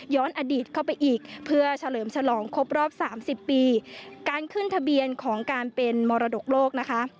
อดีตเข้าไปอีกเพื่อเฉลิมฉลองครบรอบสามสิบปีการขึ้นทะเบียนของการเป็นมรดกโลกนะคะ